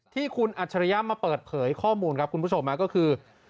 ที่คุณอัจฉริยะมาเปิดเผยข้อมูลครับคุณผู้ชมก็คือ